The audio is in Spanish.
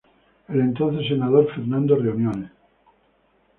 El entonces senador Fernando reuniones.